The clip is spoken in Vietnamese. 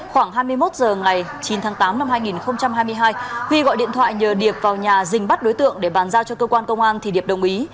khoảng hai mươi một giờ ngày chín tháng tám năm hai nghìn hai mươi hai huy gọi điện thoại nhờ điệp vào nhà dình bắt đối tượng để bàn giao cho cơ quan công an thì điệp đồng ý